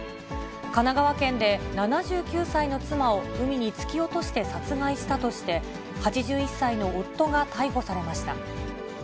神奈川県で７９歳の妻を、海に突き落として殺害したとして、８１歳の夫が逮捕されました。